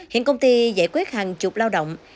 hiện công ty giải quyết hàng chục lao động